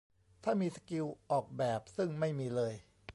ถ้ามีสกิลออกแบบ ซึ่งไม่มีเลย